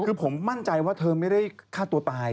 คือผมมั่นใจว่าเธอไม่ได้ฆ่าตัวตาย